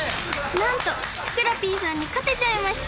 なんとふくらＰさんに勝てちゃいました！